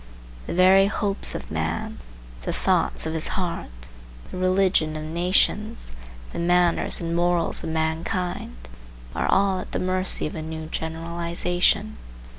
The very hopes of man, the thoughts of his heart, the religion of nations, the manners and morals of mankind are all at the mercy of a new generalization.